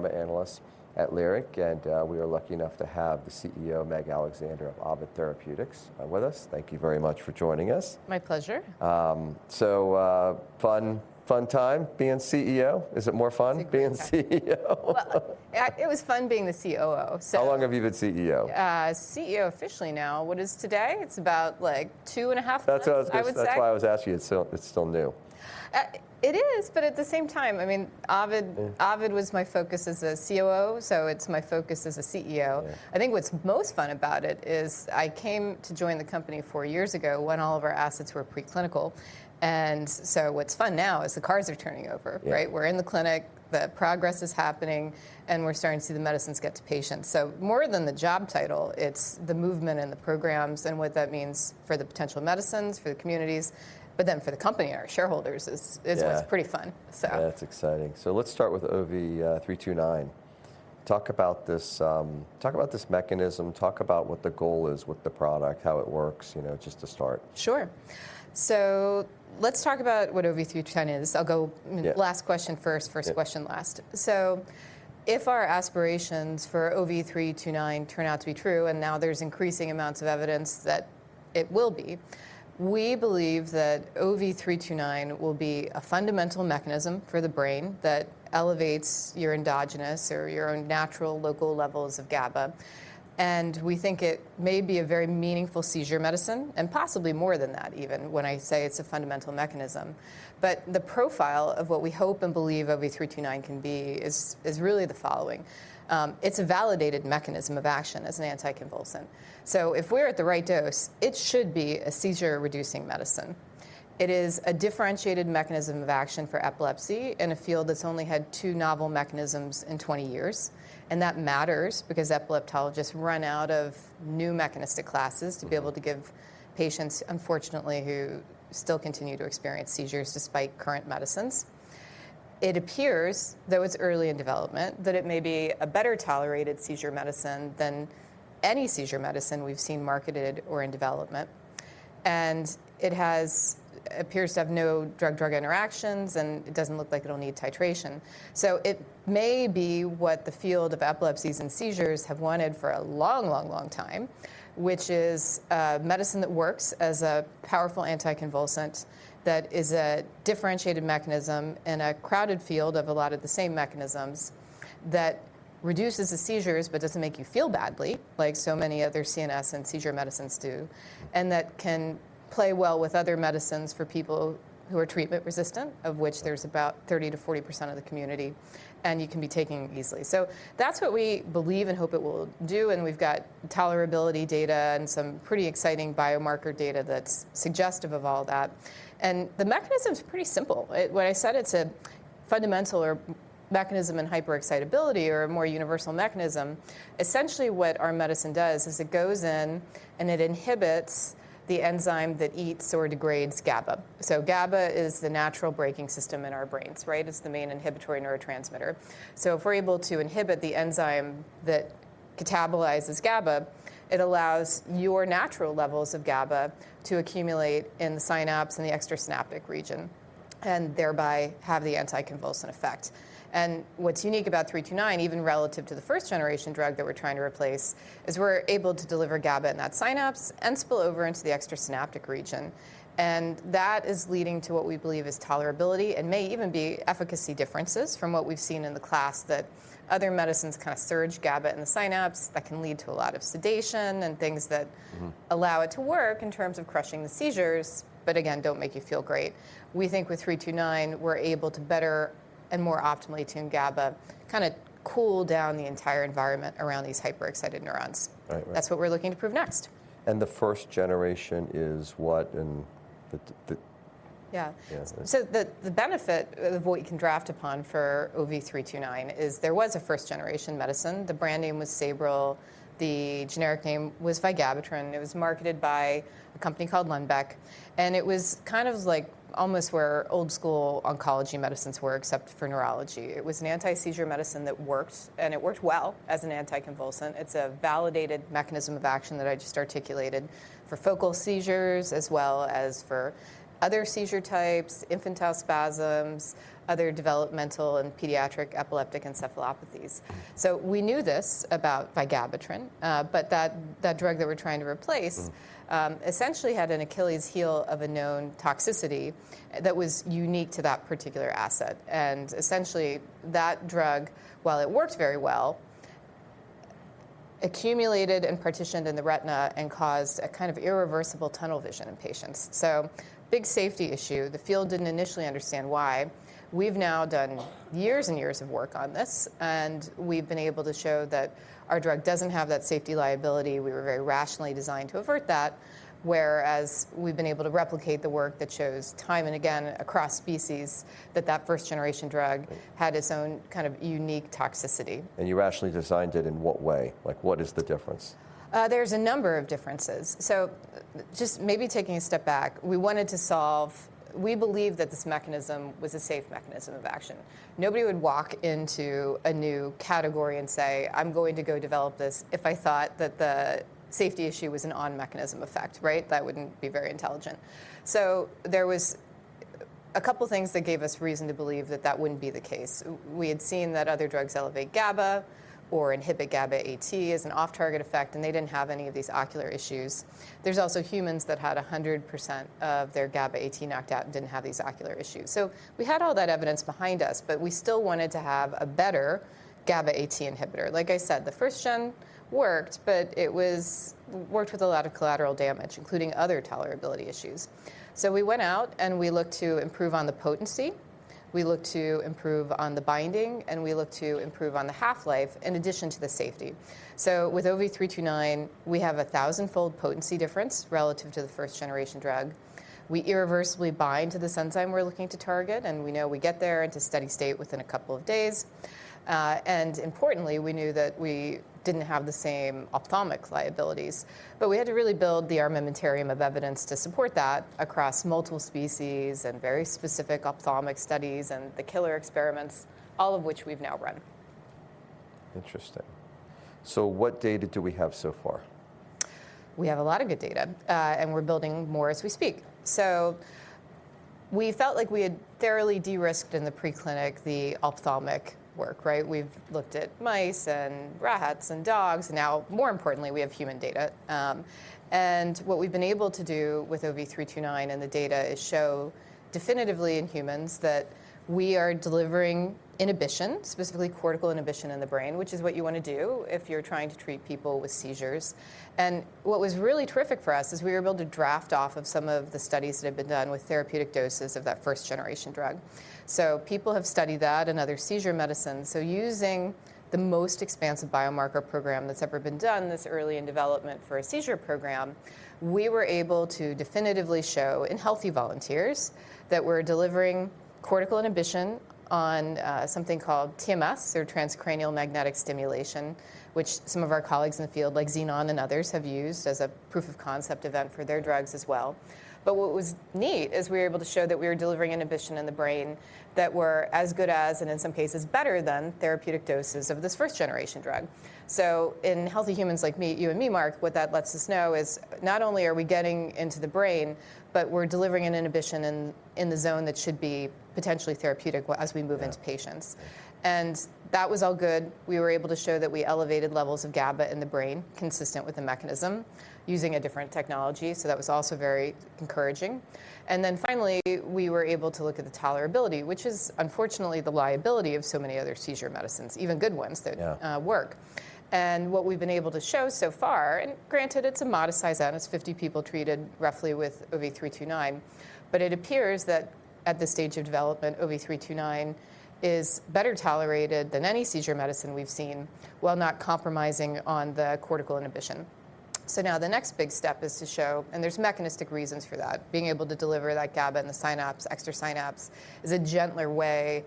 Pharma analyst at Leerink, we are lucky enough to have the CEO, Meg Alexander of Ovid Therapeutics, with us. Thank you very much for joining us. My pleasure. Fun time being CEO? Is it more fun being CEO? Well, it was fun being the COO. How long have you been CEO? CEO officially now, what is today? It's about, like, 2.5 months now, I would say. That's why I was asking you. It's still new. It is, but at the same time, I mean, Ovid was my focus as a COO, so it's my focus as a CEO. I think what's most fun about it is I came to join the company four years ago when all of our assets were pre-clinical, and so what's fun now is the cards are turning over, right? Yeah. We're in the clinic, the progress is happening, and we're starting to see the medicines get to patients. More than the job title, it's the movement in the programs and what that means for the potential medicines, for the communities, but then for the company, our shareholders is what's pretty fun. So. Yeah, that's exciting. Let's start with OV329. Talk about this mechanism. Talk about what the goal is with the product, how it works, you know, just to start. Sure. Let's talk about what OV329 is. I’ll go, last question first, first question last. If our aspirations for OV329 turn out to be true, and now there's increasing amounts of evidence that it will be, we believe that OV329 will be a fundamental mechanism for the brain that elevates your endogenous or your own natural local levels of GABA. We think it may be a very meaningful seizure medicine and possibly more than that even, when I say it's a fundamental mechanism. The profile of what we hope and believe OV329 can be is really the following. It's a validated mechanism of action as an anticonvulsant. If we're at the right dose, it should be a seizure-reducing medicine. It is a differentiated mechanism of action for epilepsy in a field that's only had two novel mechanisms in 20 years, and that matters because epileptologists run out of new mechanistic classes to be able to give patients, unfortunately, who still continue to experience seizures despite current medicines. It appears, though it's early in development, that it may be a better tolerated seizure medicine than any seizure medicine we've seen marketed or in development. It appears to have no drug-drug interactions, and it doesn't look like it'll need titration. It may be what the field of epilepsies and seizures have wanted for a long, long, long time. A medicine that works as a powerful anticonvulsant, that is a differentiated mechanism in a crowded field of a lot of the same mechanisms, that reduces the seizures but doesn't make you feel badly like so many other CNS and seizure medicines do, and that can play well with other medicines for people who are treatment resistant, of which there's about 30%-40% of the community, and you can be taking easily. That's what we believe and hope it will do, and we've got tolerability data and some pretty exciting biomarker data that's suggestive of all that. The mechanism's pretty simple. When I said it's a fundamental mechanism in hyperexcitability or a more universal mechanism, essentially what our medicine does is it goes in and it inhibits the enzyme that eats or degrades GABA. GABA is the natural braking system in our brains, right? It's the main inhibitory neurotransmitter. If we're able to inhibit the enzyme that catabolizes GABA, it allows your natural levels of GABA to accumulate in the synapse and the extrasynaptic region, and thereby have the anticonvulsant effect. What's unique about OV329, even relative to the first generation drug that we're trying to replace, is we're able to deliver GABA in that synapse and spill over into the extrasynaptic region. That is leading to what we believe is tolerability and may even be efficacy differences from what we've seen in the class that other medicines kind of surge GABA in the synapse that can lead to a lot of sedation and things that allow it to work in terms of crushing the seizures, but again, don't make you feel great. We think with OV329, we're able to better and more optimally tune GABA, kinda cool down the entire environment around these hyperexcited neurons. Right. Right. That's what we're looking to prove next. The first generation is what? Yeah. The benefit of what you can draw upon for OV329 is there was a first-generation medicine. The brand name was Sabril. The generic name was vigabatrin. It was marketed by a company called Lundbeck, and it was kind of like almost where old school oncology medicines were except for neurology. It was an anti-seizure medicine that worked, and it worked well as an anticonvulsant. It's a validated mechanism of action that I just articulated for focal seizures as well as for other seizure types, infantile spasms, other developmental and pediatric epileptic encephalopathies. We knew this about vigabatrin, but that drug that we're trying to replace, essentially, had an Achilles heel of a known toxicity that was unique to that particular asset. Essentially, that drug, while it worked very well, accumulated and partitioned in the retina and caused a kind of irreversible tunnel vision in patients. Big safety issue. The field didn't initially understand why. We've now done years and years of work on this, and we've been able to show that our drug doesn't have that safety liability. We were very rationally designed to avert that, whereas we've been able to replicate the work that shows time and again across species that that first generation drug had its own kind of unique toxicity. You rationally designed it in what way? Like, what is the difference? There's a number of differences. Just maybe taking a step back, we believe that this mechanism was a safe mechanism of action. Nobody would walk into a new category and say, "I'm going to go develop this," if I thought that the safety issue was an on-mechanism effect, right? That wouldn't be very intelligent. A couple things that gave us reason to believe that that wouldn't be the case. We had seen that other drugs elevate GABA or inhibit GABA-AT as an off-target effect, and they didn't have any of these ocular issues. There's also humans that had 100% of their GABA-AT knocked out and didn't have these ocular issues. We had all that evidence behind us, but we still wanted to have a better GABA-AT inhibitor. Like I said, the first-gen worked, but it was worked with a lot of collateral damage, including other tolerability issues. We went out and we looked to improve on the potency, we looked to improve on the binding, and we looked to improve on the half-life in addition to the safety. With OV329, we have a thousandfold potency difference relative to the first generation drug. We irreversibly bind to this enzyme we're looking to target, and we know we get there into steady state within a couple of days. Importantly, we knew that we didn't have the same ophthalmic liabilities, but we had to really build the armamentarium of evidence to support that across multiple species and very specific ophthalmic studies and the killer experiments, all of which we've now run. Interesting. What data do we have so far? We have a lot of good data, and we're building more as we speak. We felt like we had thoroughly de-risked in the preclinical the ophthalmic work, right? We've looked at mice and rats and dogs. Now more importantly, we have human data. What we've been able to do with OV329 and the data is show definitively in humans that we are delivering inhibition, specifically cortical inhibition in the brain, which is what you wanna do if you're trying to treat people with seizures. What was really terrific for us is we were able to draft off of some of the studies that had been done with therapeutic doses of that first generation drug. People have studied that and other seizure medicines. Using the most expansive biomarker program that's ever been done this early in development for a seizure program, we were able to definitively show in healthy volunteers that we're delivering cortical inhibition on something called TMS or Transcranial Magnetic Stimulation, which some of our colleagues in the field like Xenon and others have used as a proof of concept event for their drugs as well. What was neat is we were able to show that we were delivering inhibition in the brain that were as good as, and in some cases better than, therapeutic doses of this first generation drug. In healthy humans like me, you and me, Marc, what that lets us know is not only are we getting into the brain, but we're delivering an inhibition in the zone that should be potentially therapeutic as we move into patients. That was all good. We were able to show that we elevated levels of GABA in the brain consistent with the mechanism using a different technology. That was also very encouraging. Then finally, we were able to look at the tolerability, which is unfortunately the liability of so many other seizure medicines, even good ones that work. Yeah What we've been able to show so far, and granted it's a modest size N, it's 50 people treated roughly with OV329, but it appears that at this stage of development, OV329 is better tolerated than any seizure medicine we've seen while not compromising on the cortical inhibition. Now the next big step is to show. There's mechanistic reasons for that. Being able to deliver that GABA in the synapse, extra synapse, is a gentler way of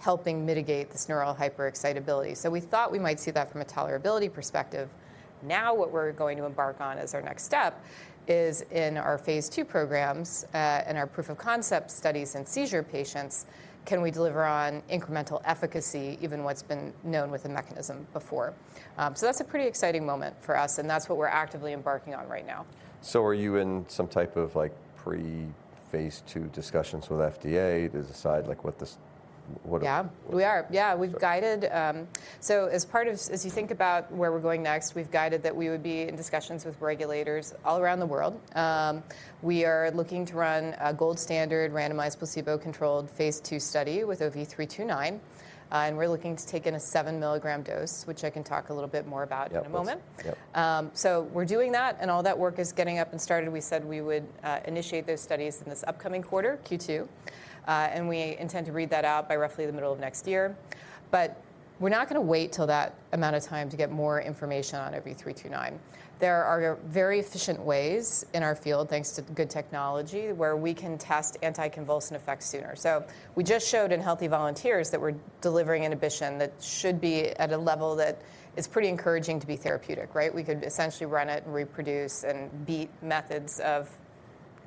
helping mitigate this neural hyperexcitability. We thought we might see that from a tolerability perspective. Now what we're going to embark on as our next step is in our phase two programs, and our proof of concept studies in seizure patients, can we deliver on incremental efficacy, even what's been known with the mechanism before? That's a pretty exciting moment for us, and that's what we're actively embarking on right now. Are you in some type of, like, pre-phase II discussions with FDA to decide like what this? Yeah. We are. Yeah. We've guided. As part of as you think about where we're going next, we've guided that we would be in discussions with regulators all around the world. We are looking to run a gold standard randomized placebo-controlled phase II study with OV329, and we're looking to take in a 7-mg dose, which I can talk a little bit more about in a moment. Yeah. Yep. We're doing that, and all that work is getting up and started. We said we would initiate those studies in this upcoming quarter, Q2. We intend to read that out by roughly the middle of next year. We're not gonna wait till that amount of time to get more information on OV329. There are very efficient ways in our field, thanks to good technology, where we can test anticonvulsant effects sooner. We just showed in healthy volunteers that we're delivering inhibition that should be at a level that is pretty encouraging to be therapeutic, right? We could essentially run it and reproduce and beat methods of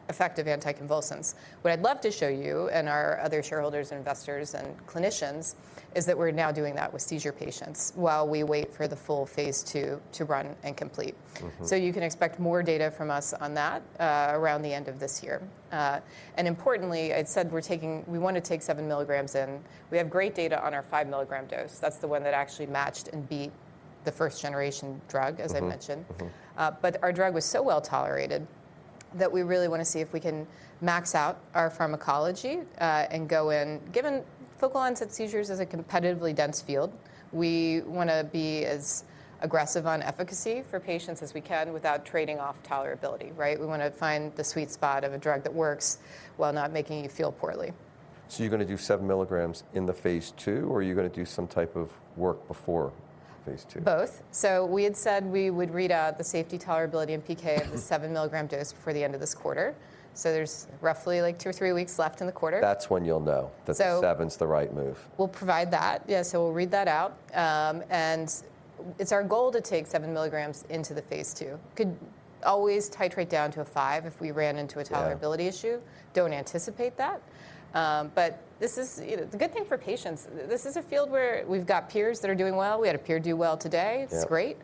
effective anticonvulsants. What I'd love to show you and our other shareholders and investors and clinicians is that we're now doing that with seizure patients while we wait for the full phase II to run and complete. You can expect more data from us on that, around the end of this year. Importantly, I'd said we wanna take 7 mg in. We have great data on our 5-mg dose. That's the one that actually matched and beat the first generation drug, as I mentioned. Our drug was so well tolerated that we really wanna see if we can max out our pharmacology. Given focal onset seizures is a competitive dense field, we wanna be as aggressive on efficacy for patients as we can without trading off tolerability, right? We wanna find the sweet spot of a drug that works while not making you feel poorly. You're gonna do 7 mg in the phase II, or are you gonna do some type of work before phase II? Both. We had said we would read out the safety, tolerability and PK of the 7-mg dose before the end of this quarter. There's roughly like two or three weeks left in the quarter. That's when you'll know. That 7-mg’s the right move. We'll provide that. Yeah. We'll read that out. It's our goal to take 7 mg into the phase II. Could always titrate down to a 5 mg if we ran into a tolerability issue. Don't anticipate that. This is, you know, it's a good thing for patients. This is a field where we've got peers that are doing well. We had a peer do well today. It's great.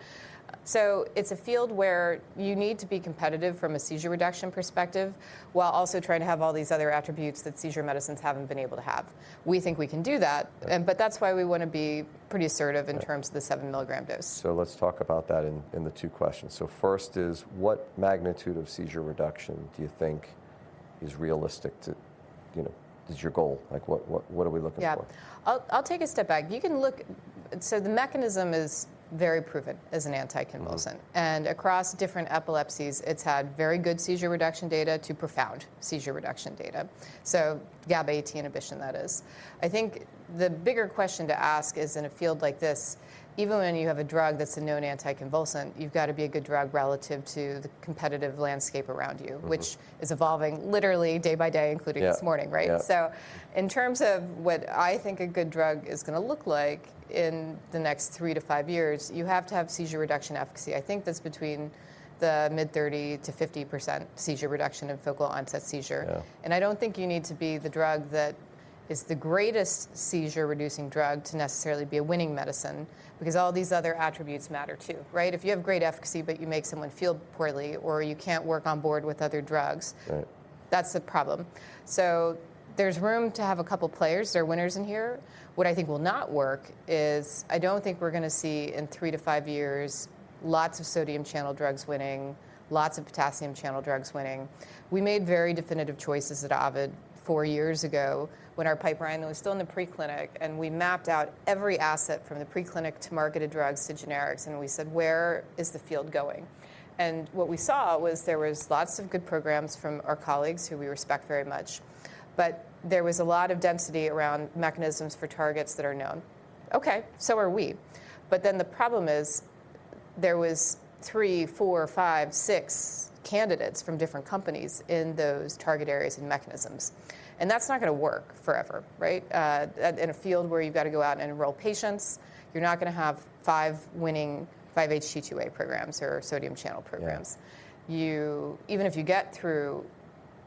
It's a field where you need to be competitive from a seizure reduction perspective, while also trying to have all these other attributes that seizure medicines haven't been able to have. We think we can do that. That's why we wanna be pretty assertive in terms of the 7 mg dose. Let's talk about that in the two questions. First is, what magnitude of seizure reduction do you think is realistic to, you know, is your goal? Like, what are we looking for? Yeah. I'll take a step back. The mechanism is very proven as an anticonvulsant. Across different epilepsies, it's had very good seizure reduction data to profound seizure reduction data, so GABA-T inhibition, that is. I think the bigger question to ask is, in a field like this, even when you have a drug that's a known anticonvulsant, you've got to be a good drug relative to the competitive landscape around you, which is evolving literally day by day, including Yeah This morning, right? Yeah. In terms of what I think a good drug is gonna look like in the next three to five years, you have to have seizure reduction efficacy. I think that's between the mid 30%-50% seizure reduction in focal onset seizure. Yeah. I don't think you need to be the drug that is the greatest seizure-reducing drug to necessarily be a winning medicine because all these other attributes matter too, right? If you have great efficacy, but you make someone feel poorly, or you can't work onboard with other drugs. Right That's a problem. There's room to have a couple players. There are winners in here. What I think will not work is I don't think we're gonna see, in three to five years, lots of sodium channel drugs winning, lots of potassium channel drugs winning. We made very definitive choices at Ovid, four years ago when our pipeline was still in the preclinical, and we mapped out every asset from the preclinical to marketed drugs to generics, and we said, "Where is the field going?" What we saw was there was lots of good programs from our colleagues who we respect very much, but there was a lot of density around mechanisms for targets that are known. Okay, so are we. The problem is there was three, four, five, six candidates from different companies in those target areas and mechanisms, and that's not gonna work forever, right? In a field where you've got to go out and enroll patients, you're not gonna have five winning 5-HT2A programs or sodium channel programs. Even if you get through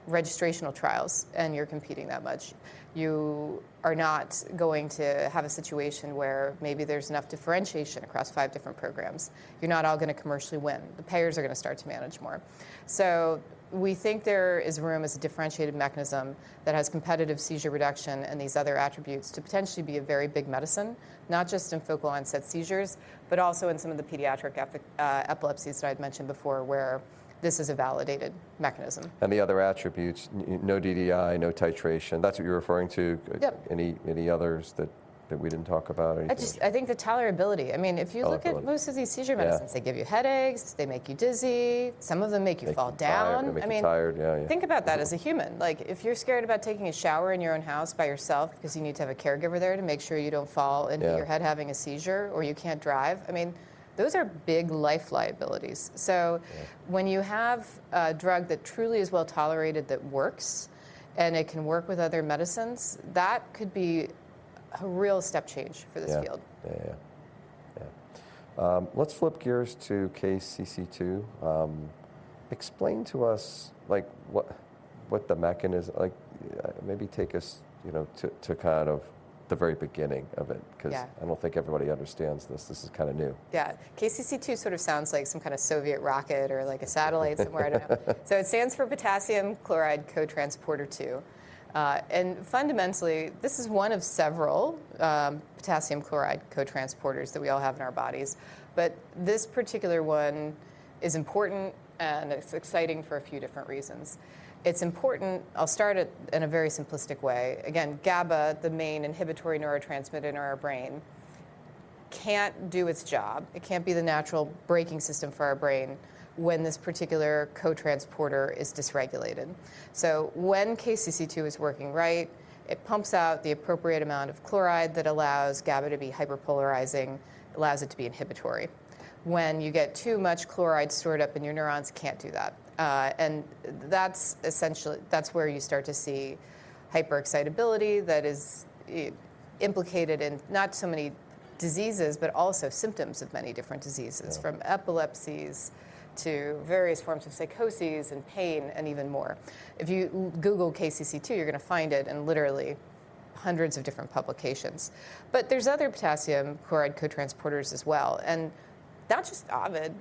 registrational trials, and you're competing that much, you are not going to have a situation where maybe there's enough differentiation across five different programs. You're not all gonna commercially win. The payers are gonna start to manage more. We think there is room as a differentiated mechanism that has competitive seizure reduction and these other attributes to potentially be a very big medicine, not just in focal onset seizures, but also in some of the pediatric epilepsies that I'd mentioned before, where this is a validated mechanism. The other attributes, no DDI, no titration, that's what you're referring to. Yep. Any others that we didn't talk about or anything? I just think the tolerability. I mean, if you look at most of these seizure medicines. Yeah They give you headaches. They make you dizzy. Some of them make you fall down. Make you tired. They make you tired. Yeah, yeah. I mean, think about that as a human. Like, if you're scared about taking a shower in your own house by yourself because you need to have a caregiver there to make sure you don't fall. Yeah Hit your head having a seizure, or you can't drive, I mean, those are big life liabilities. When you have a drug that truly is well-tolerated that works, and it can work with other medicines, that could be a real step change for this field. Yeah. Let's flip gears to KCC2. Explain to us, like, what the mechanism. Like, maybe take us, you know, to kind of the very beginning of it 'cause, I don't think everybody understands this. This is kinda new. Yeah. KCC2 sort of sounds like some kinda Soviet rocket or, like, a satellite somewhere. I don't know. It stands for Potassium Chloride Cotransporter 2. Fundamentally, this is one of several Potassium Chloride Cotransporter that we all have in our bodies. This particular one is important, and it's exciting for a few different reasons. I'll start it in a very simplistic way. Again, GABA, the main inhibitory neurotransmitter in our brain, can't do its job. It can't be the natural braking system for our brain when this particular cotransporter is dysregulated. When KCC2 is working right, it pumps out the appropriate amount of chloride that allows GABA to be hyperpolarizing. It allows it to be inhibitory. When you get too much chloride stored up in your neurons, it can't do that. That's essentially where you start to see hyperexcitability that is implicated in not so many diseases, but also symptoms of many different diseases. From epilepsies to various forms of psychoses and pain and even more. If you Google KCC2, you're gonna find it in literally hundreds of different publications. There's other Potassium Chloride Cotransporter as well, and not just Ovid.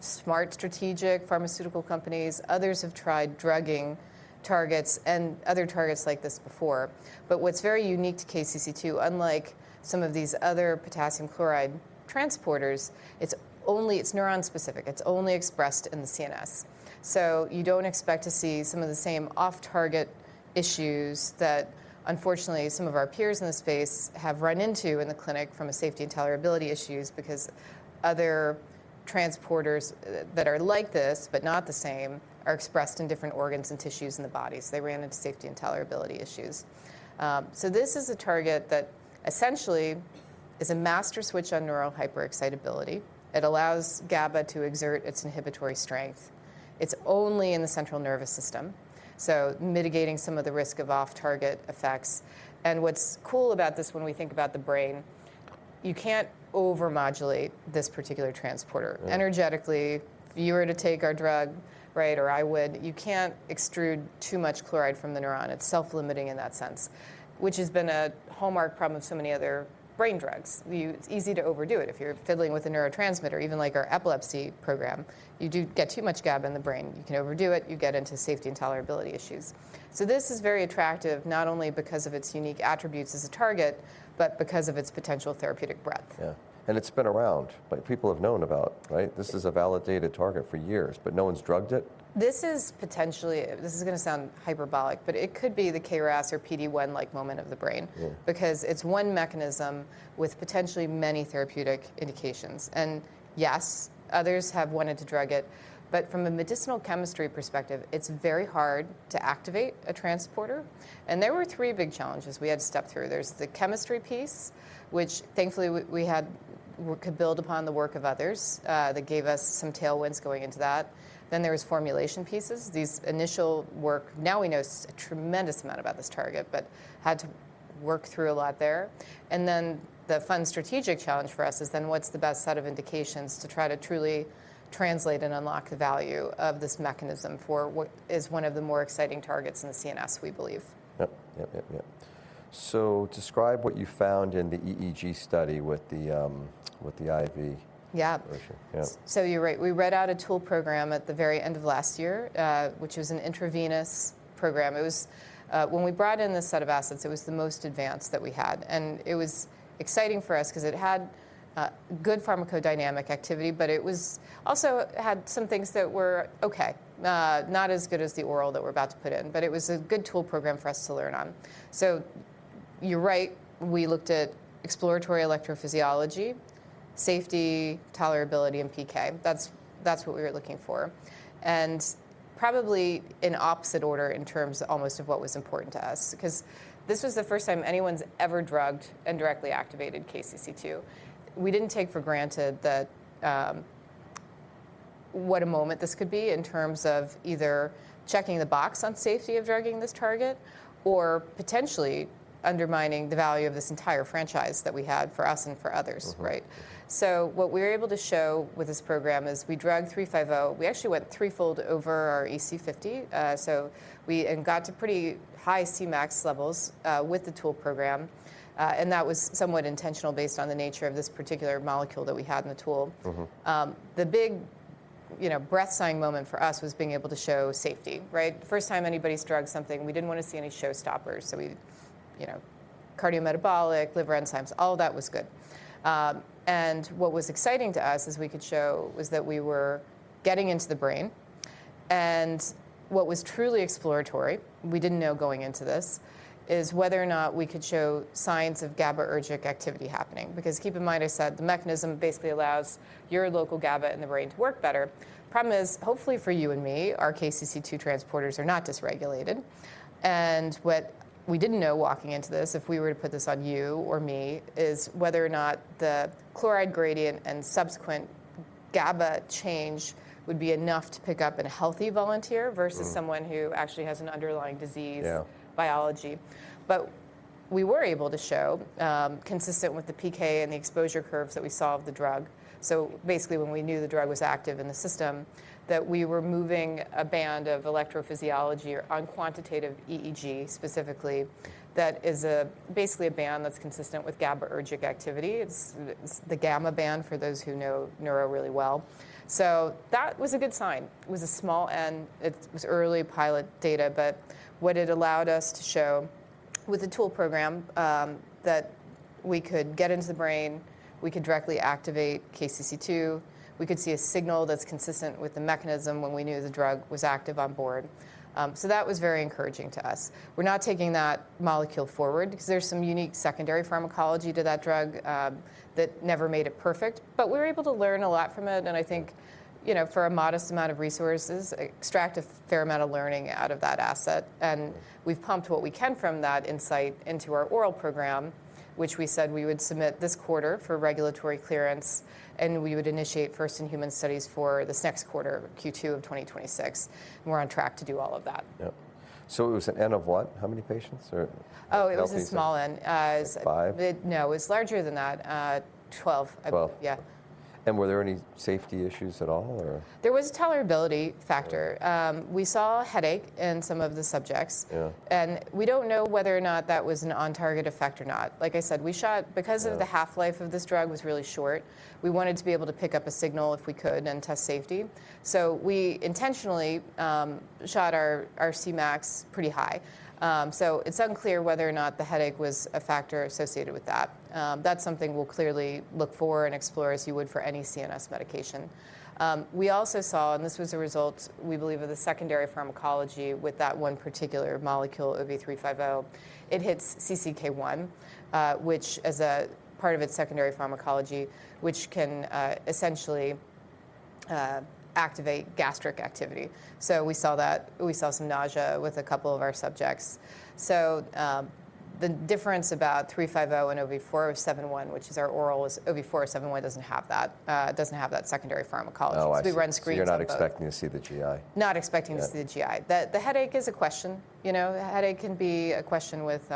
Smart, strategic pharmaceutical companies, others have tried drugging targets and other targets like this before. What's very unique to KCC2, unlike some of these other potassium chloride transporters, it's only, it's neuron-specific. It's only expressed in the CNS. You don't expect to see some of the same off-target issues that, unfortunately, some of our peers in the space have run into in the clinic from a safety and tolerability issues because other transporters that are like this, but not the same, are expressed in different organs and tissues in the body, so they ran into safety and tolerability issues. This is a target that essentially is a master switch on neural hyperexcitability. It allows GABA to exert its inhibitory strength. It's only in the central nervous system, so mitigating some of the risk of off-target effects. What's cool about this when we think about the brain, you can't over-modulate this particular transporter. Energetically, if you were to take our drug, right, or I would, you can't extrude too much chloride from the neuron. It's self-limiting in that sense, which has been a hallmark problem of so many other brain drugs. It's easy to overdo it if you're fiddling with a neurotransmitter, even like our epilepsy program. You do get too much GABA in the brain, you can overdo it, you get into safety and tolerability issues. This is very attractive, not only because of its unique attributes as a target, but because of its potential therapeutic breadth. Yeah. It's been around. Like people have known about, right? This is a validated target for years, but no one's drugged it? This is gonna sound hyperbolic, but it could be the KRAS or PD-1 like moment of the brain. Because it's one mechanism with potentially many therapeutic indications. Yes, others have wanted to drug it, but from a medicinal chemistry perspective, it's very hard to activate a transporter, and there were three big challenges we had to step through. There's the chemistry piece, which thankfully we could build upon the work of others that gave us some tailwinds going into that. There was formulation pieces. Now we know a tremendous amount about this target, but had to work through a lot there. The fun strategic challenge for us is then what's the best set of indications to try to truly translate and unlock the value of this mechanism for what is one of the more exciting targets in the CNS, we believe. Yep. Describe what you found in the EEG study with the IV version. Yeah. You're right. We read out a tool program at the very end of last year, which was an intravenous program. It was, when we brought in this set of assets, it was the most advanced that we had, and it was exciting for us 'cause it had good pharmacodynamic activity, but it also had some things that were okay, not as good as the oral that we're about to put in. It was a good tool program for us to learn on. You're right, we looked at exploratory electrophysiology, safety, tolerability, and PK. That's what we were looking for. Probably in opposite order in terms almost of what was important to us, because this was the first time anyone's ever drugged and directly activated KCC2. We didn't take for granted that, what a moment this could be in terms of either checking the box on safety of drugging this target or potentially undermining the value of this entire franchise that we had for us and for others, right? What we were able to show with this program is, with OV350, we actually went threefold over our EC50 and got to pretty high Cmax levels with the tool program. That was somewhat intentional based on the nature of this particular molecule that we had in the tool. The big, you know, breathtaking moment for us was being able to show safety, right? The first time anybody's drugged something, we didn't wanna see any showstopper. We, you know, cardiometabolic, liver enzymes, all that was good. What was exciting to us is we could show was that we were getting into the brain, and what was truly exploratory, we didn't know going into this, is whether or not we could show signs of GABAergic activity happening. Because keep in mind, I said the mechanism basically allows your local GABA in the brain to work better. Problem is, hopefully for you and me, our KCC2 transporters are not dysregulated. What we didn't know walking into this, if we were to put this on you or me, is whether or not the chloride gradient and subsequent GABA change would be enough to pick up in a healthy volunteer versus someone who actually has an underlying disease biology. Yeah We were able to show, consistent with the PK and the exposure curves that we saw of the drug, so basically when we knew the drug was active in the system, that we were moving a band of electrophysiology or on Quantitative EEG specifically, that is basically a band that's consistent with GABAergic activity. It's the gamma band for those who know neuro really well. That was a good sign. It was a small, and it was early pilot data, but what it allowed us to show with the tool program, that we could get into the brain, we could directly activate KCC2, we could see a signal that's consistent with the mechanism when we knew the drug was active on board. That was very encouraging to us. We're not taking that molecule forward 'cause there's some unique secondary pharmacology to that drug, that never made it perfect. We were able to learn a lot from it, and I think, you know, for a modest amount of resources, extract a fair amount of learning out of that asset. We've pumped what we can from that insight into our oral program, which we said we would submit this quarter for regulatory clearance, and we would initiate first in human studies for this next quarter, Q2 of 2026. We're on track to do all of that. Yep. It was an N of what? How many patients? Oh, it was a small N. Like 5? No, it's larger than that. 12. 12. Yeah. Were there any safety issues at all or? There was a tolerability factor. We saw a headache in some of the subjects. Yeah. We don't know whether or not that was an on target effect or not. Like I said, because of the half-life of this drug was really short, we wanted to be able to pick up a signal if we could and test safety. We intentionally shot our Cmax pretty high. It's unclear whether or not the headache was a factor associated with that. That's something we'll clearly look for and explore as you would for any CNS medication. We also saw, and this was a result we believe of the secondary pharmacology with that one particular molecule OV350, it hits CCK-1, which as a part of its secondary pharmacology, which can essentially activate gastric activity. We saw that. We saw some nausea with a couple of our subjects. The difference about OV350 and OV4071, which is our oral, is OV4071 doesn't have that. It doesn't have that secondary pharmacology. Oh, I see. We run screens on both. You're not expecting to see the GI? Not expecting to see the GI. Yeah. The headache is a question. You know, headache can be a question with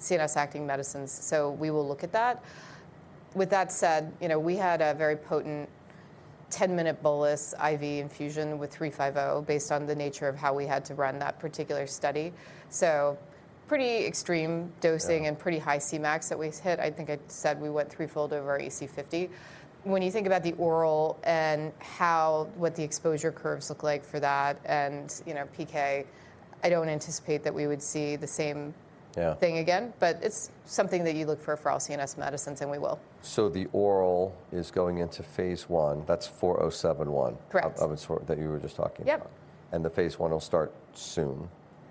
CNS acting medicines, so we will look at that. With that said, you know, we had a very potent 10-minute bolus IV infusion with 350 based on the nature of how we had to run that particular study. Pretty extreme dosing and pretty high Cmax that we hit. I think I said we went three-fold over our AC50. When you think about the oral and how, what the exposure curves look like for that, and, you know, PK, I don't anticipate that we would see the same thing again. It's something that you look for all CNS medicines, and we will. The oral is going into phase I. That's OV4071? Correct That you were just talking about? Yep. The phase one will start soon.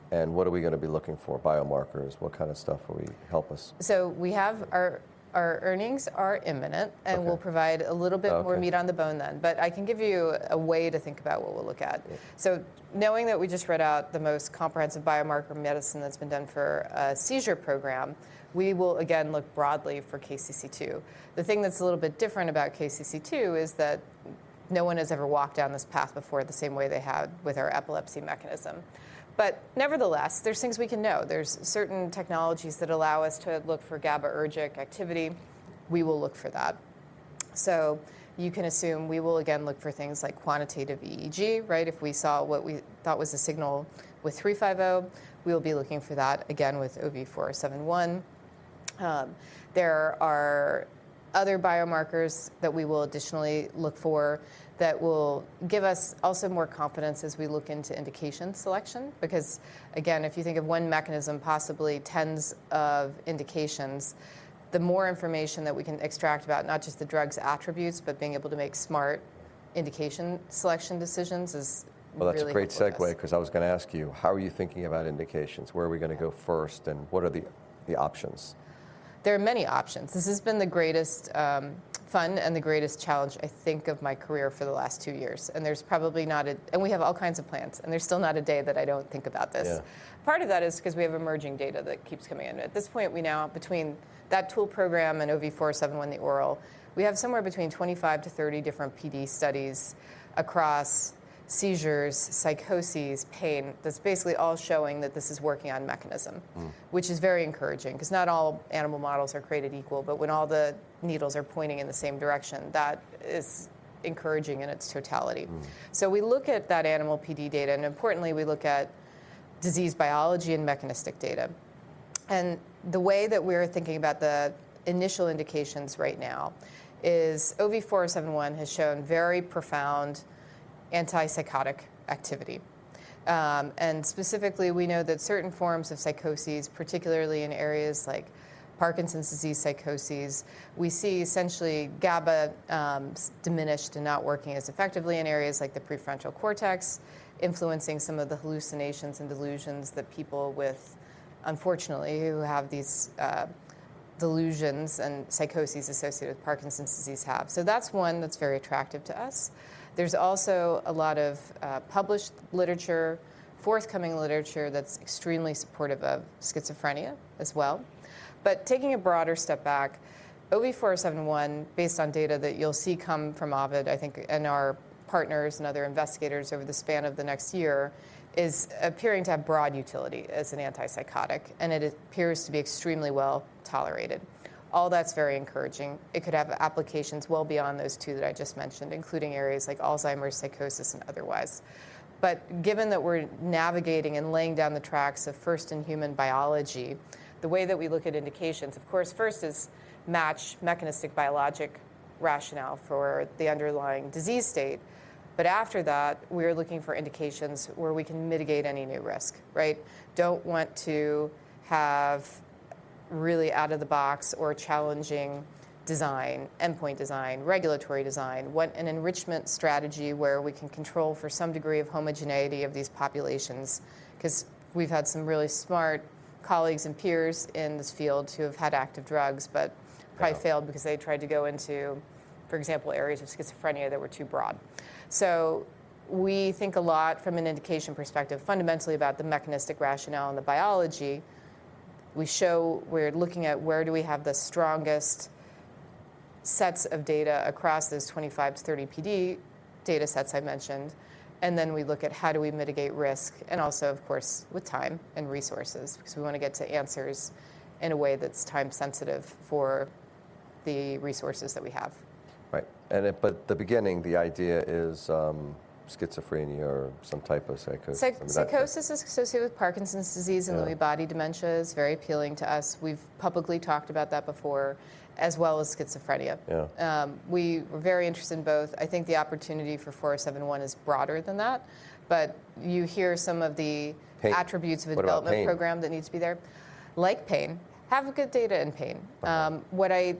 What are we gonna be looking for? Biomarkers? What kind of stuff are we? Help us. We have our earnings are imminent. Okay. We'll provide a little bit more meat on the bone than. I can give you a way to think about what we'll look at. Knowing that we just read out the most comprehensive biomarker medicine that's been done for a seizure program, we will again look broadly for KCC2. The thing that's a little bit different about KCC2 is that no one has ever walked down this path before the same way they have with our epilepsy mechanism. Nevertheless, there's things we can know. There's certain technologies that allow us to look for GABAergic activity. We will look for that. You can assume we will again look for things like Quantitative EEG, right? If we saw what we thought was a signal with 350, we'll be looking for that again with OV4071. There are other biomarkers that we will additionally look for that will give us also more confidence as we look into indication selection, because again, if you think of one mechanism, possibly tens of indications, the more information that we can extract about not just the drug's attributes, but being able to make smart indication selection decisions is really important for us. Well, that's a great segue, 'cause I was gonna ask you, how are you thinking about indications? Where are we gonna go first, and what are the options? There are many options. This has been the greatest, fun and the greatest challenge I think of my career for the last two years. We have all kinds of plans, and there's still not a day that I don't think about this. Yeah. Part of that is 'cause we have emerging data that keeps coming in. At this point, we now, between that tool program and OV4071 the oral, we have somewhere between 25–30 different PD studies across seizures, psychoses, pain, that's basically all showing that this is working on mechanism. Which is very encouraging, 'cause not all animal models are created equal, but when all the needles are pointing in the same direction, that is encouraging in its totality. We look at that animal PD data, and importantly we look at disease biology and mechanistic data. The way that we're thinking about the initial indications right now is OV4071 has shown very profound antipsychotic activity. Specifically we know that certain forms of psychoses, particularly in areas like Parkinson's disease psychoses, we see essentially GABA diminished and not working as effectively in areas like the prefrontal cortex, influencing some of the hallucinations and delusions that people with, unfortunately, who have these delusions and psychoses associated with Parkinson's disease have. That's one that's very attractive to us. There's also a lot of published literature, forthcoming literature that's extremely supportive of schizophrenia as well. Taking a broader step back, OV4071, based on data that you'll see come from Ovid, I think, and our partners and other investigators over the span of the next year, is appearing to have broad utility as an antipsychotic, and it appears to be extremely well-tolerated. All that's very encouraging. It could have applications well beyond those two that I just mentioned, including areas like Alzheimer's, psychosis, and otherwise. Given that we're navigating and laying down the tracks of first in human biology, the way that we look at indications, of course first is match mechanistic biologic rationale for the underlying disease state. After that, we're looking for indications where we can mitigate any new risk, right? Don't want to have really out of the box or challenging design, endpoint design, regulatory design. Want an enrichment strategy where we can control for some degree of homogeneity of these populations, 'cause we've had some really smart colleagues and peers in this field who have had active drugs, but probably failed because they tried to go into, for example, areas of schizophrenia that were too broad. We think a lot from an indication perspective, fundamentally about the mechanistic rationale and the biology. We show we're looking at where do we have the strongest sets of data across those 25-30 PD data sets I mentioned, and then we look at how do we mitigate risk, and also of course with time and resources. 'Cause we wanna get to answers in a way that's time sensitive for the resources that we have. Right. At the beginning, the idea is schizophrenia or some type of psychosis. I mean, that. Psychosis is associated with Parkinson's disease. Yeah Lewy body dementia is very appealing to us. We've publicly talked about that before, as well as schizophrenia. Yeah. We're very interested in both. I think the opportunity for OV4071 is broader than that but you hear some of the attributes of a development program that needs to be there. What about pain? Like pain. Have good data in pain. Okay.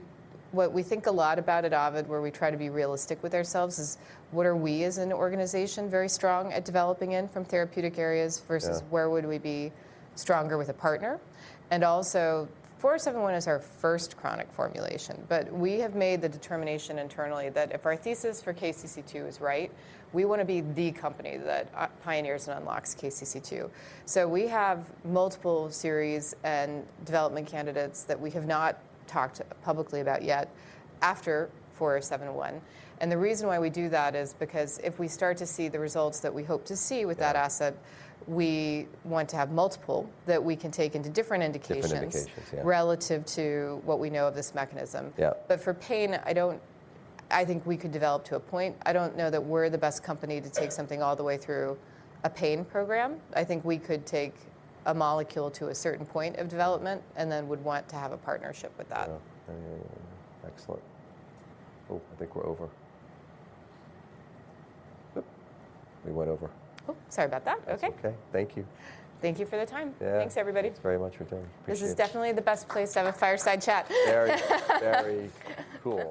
What we think a lot about at Ovid, where we try to be realistic with ourselves, is what are we as an organization very strong at developing in from therapeutic areas versus where would we be stronger with a partner? Also, 4071 is our first chronic formulation, but we have made the determination internally that if our thesis for KCC2 is right, we wanna be the company that pioneers and unlocks KCC2. We have multiple series and development candidates that we have not talked publicly about yet after 4071. The reason why we do that is because if we start to see the results that we hope to see with that asset that we want to have multiple that we can take into different indications. Different indications, yeah. Relative to what we know of this mechanism. Yeah. For pain, I don't. I think we could develop to a point. I don't know that we're the best company to take something all the way through a pain program. I think we could take a molecule to a certain point of development and then would want to have a partnership with that. Yeah. Excellent. Oh, I think we're over. Oop, we went over. Oops, sorry about that. Okay. That's okay. Thank you. Thank you for the time. Yeah. Thanks, everybody. Thanks very much for doing it. Appreciate it. This is definitely the best place to have a fireside chat. Very, very cool.